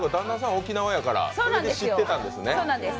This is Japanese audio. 沖縄やからそれで知ってたんですね。